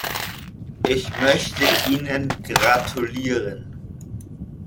Ich möchte Ihnen gratulieren.